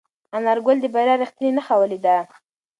انارګل د بریا رښتینې نښه ولیده.